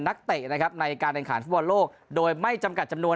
เตะนะครับในการแข่งขันฟุตบอลโลกโดยไม่จำกัดจำนวน